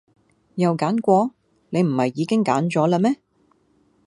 又揀過？你唔係已經揀咗啦咩